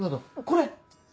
これ！